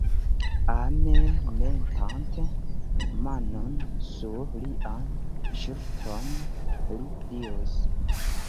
Ame metante manon sur lian ŝultron, li diris: